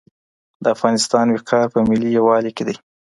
د افغانستان وقار په ملي یووالي کي دی.